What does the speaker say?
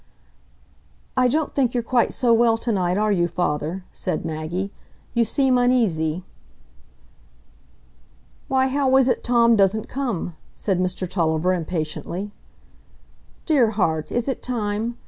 "I don't think you're quite so well to night, are you, father?" said Maggie; "you seem uneasy." "Why, how is it Tom doesn't come?" said Mr Tulliver, impatiently. "Dear heart! is it time?